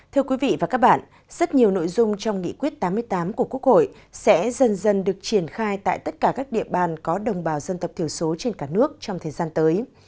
thưa quý vị và các bạn rất nhiều nội dung trong nghị quyết tám mươi tám của quốc hội sẽ dần dần được triển khai tại tất cả các địa bàn có đồng bào dân tộc thiểu số trên cả nước trong thời gian tới